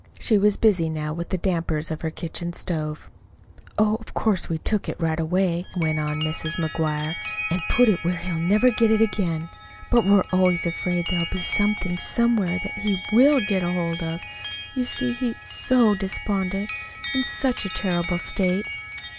She was busy now with the dampers of her kitchen stove. "Of course we took it right away," went on Mrs. McGuire, "an' put it where he'll never get it again. But we're always afraid there'll be somethin' somewhere that he WILL get hold of. You see, he's SO despondent in such a terrible state!"